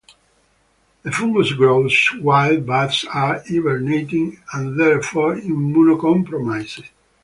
The fungus grows while bats are hibernating, and therefore immuno-compromised.